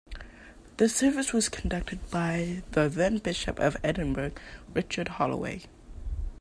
The service was conducted by the then Bishop of Edinburgh, Richard Holloway.